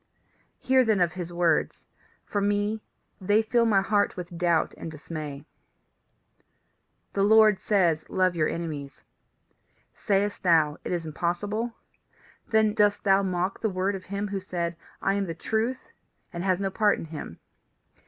Hear then of his words. For me, they fill my heart with doubt and dismay. "The Lord says: Love your enemies. Sayest thou, It is impossible? Then dost thou mock the word of him who said, I am the Truth, and has no part in him.